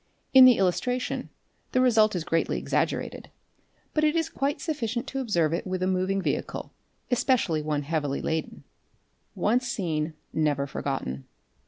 In the illustration the result is greatly exaggerated, but it is quite sufficient to observe it with a moving vehicle, especially one heavily laden. Once seen never forgotten.